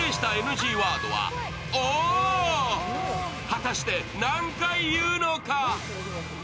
果たして何回言うのか？